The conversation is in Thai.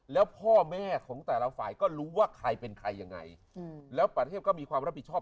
แล้วพ่อแม่ของแต่ละฝ่ายก็รู้ว่าใครเป็นใครยังไงแล้วประเทศก็มีความรับผิดชอบ